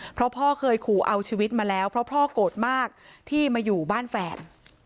เพราะพ่อเคยขู่เอาชีวิตมาแล้วเพราะพ่อโกรธมากที่มาอยู่บ้านแฟน